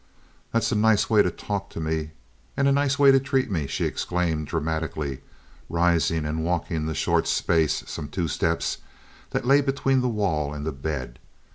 "That's a nice way to talk to me, and a nice way to treat me!" she exclaimed dramatically, rising and walking the short space—some two steps—that lay between the wall and the bed.